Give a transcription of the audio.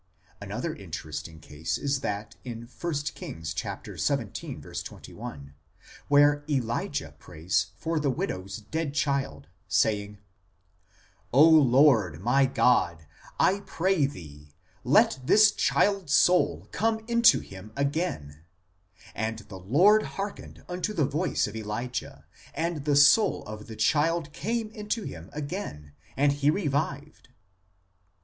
..." Another interesting case is that in 1 Kings xvii. 21, where Elijah prays for the widow s dead child, saying :" Lord, my God, I pray Thee, let this child s soul come into him again. And the Lord hearkened unto the voice of Elijah ; and the soul of the child came into him again, and he revived."